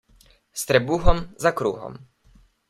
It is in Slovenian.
S trebuhom za kruhom.